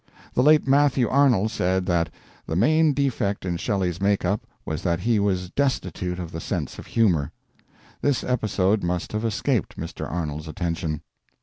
The late Matthew Arnold said that the main defect in Shelley's make up was that he was destitute of the sense of humor. This episode must have escaped Mr. Arnold's attention.